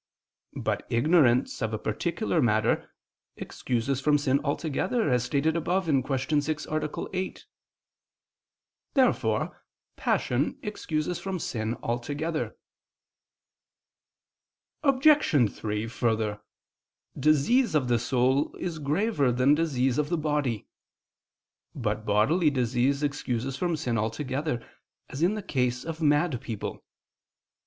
But ignorance of a particular matter excuses from sin altogether, as stated above (Q. 6, A. 8). Therefore passion excuses from sin altogether. Obj. 3: Further, disease of the soul is graver than disease of the body. But bodily disease excuses from sin altogether, as in the case of mad people.